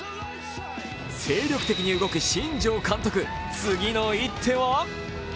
精力的に動く新庄監督、次の一手は？